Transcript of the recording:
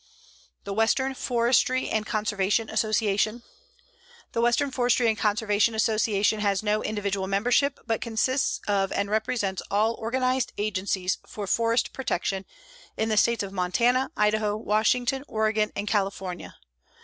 THE WESTERN FORESTRY AND CONSERVATION ASSOCIATION The Western Forestry and Conservation Association has no individual membership, but consists of and represents all organized agencies for forest protection in the States of Montana, Idaho, Washington, Oregon and California.